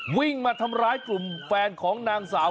วิ่งมาทำร้ายกลุ่มแฟนของนางสาว